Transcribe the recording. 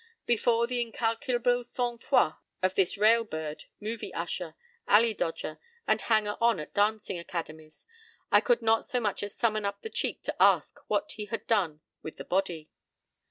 p> Before the incalculable sang froid of this rail bird, movie usher, alley dodger, and hanger on at dancing academies, I could not so much as summon up the cheek to ask what he had done with the body.